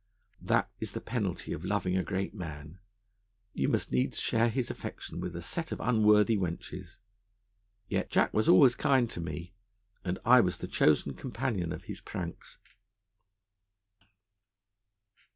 That is the penalty of loving a great man: you must needs share his affection with a set of unworthy wenches. Yet Jack was always kind to me, and I was the chosen companion of his pranks.